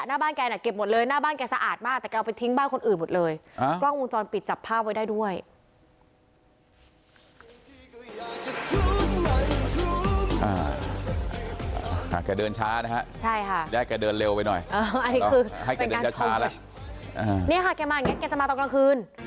นี่ค่ะแกมาอย่างงี้แกจะมาตอนกลางคืน